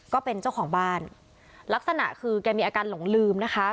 ก็เป็นเจ้าของบ้านลักษณะคือแกมีอาการหลงลืมนะคะ